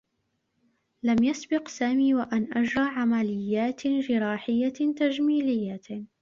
لم يسبق سامي و أن أجرى عمليّات جراحيّة تجميليّة.